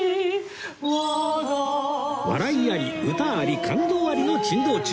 笑いあり歌あり感動ありの珍道中